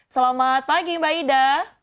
selamat pagi mbak ida